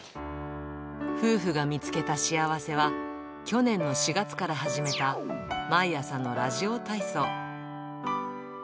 夫婦が見つけた幸せは、去年の４月から始めた、毎朝のラジオ体操。